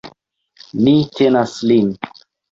Ni tenas lin!